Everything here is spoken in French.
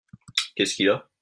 Qu’est-ce qu’il a ?